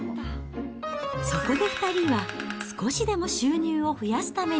そこで２人は、少しでも収入を増やすために。